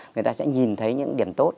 người ta sẽ nhìn thấy những điểm tốt